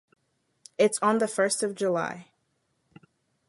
It’s on the first of July.